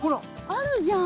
あるじゃん。